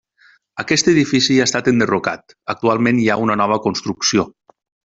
Aquest edifici ha estat enderrocat, actualment hi ha una nova construcció.